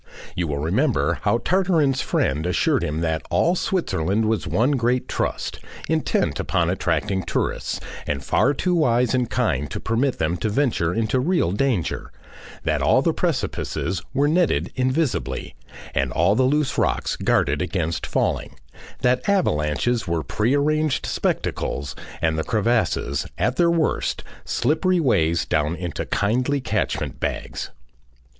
You will remember how Tartarin's friend assured him that all Switzerland was one great Trust, intent upon attracting tourists and far too wise and kind to permit them to venture into real danger, that all the precipices were netted invisibly, and all the loose rocks guarded against falling, that avalanches were prearranged spectacles and the crevasses at their worst slippery ways down into kindly catchment bags.